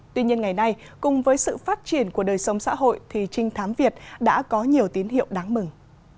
tuy nhiên ngày nay cùng với sự phát triển của đời sống xã hội thì trinh thám việt đã có nhiều tín hiệu đáng mừng